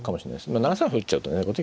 ７三歩打っちゃうとね後手玉